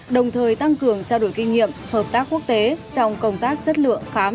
đồng thời tăng cường trao đổi kinh nghiệm hợp tác quốc tế trong công tác chất lượng khám